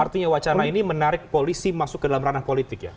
artinya wacana ini menarik polisi masuk ke dalam ranah politik ya